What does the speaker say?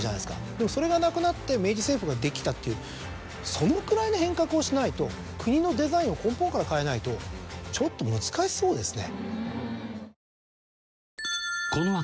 でもそれがなくなって明治政府ができたっていうそのくらいの変革をしないと国のデザインを根本から変えないとちょっと難しそうですね。